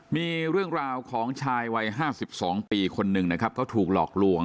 มีเรื่องราวของชายวัย๕๒ปีคนหนึ่งนะครับเขาถูกหลอกลวง